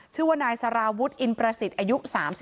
ชื่อว่านายสารวุฒิอินประสิทธิ์อายุ๓๒